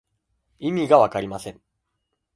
意味がわかりません。